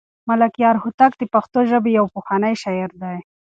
ملکیار هوتک د پښتو ژبې یو پخوانی شاعر دی.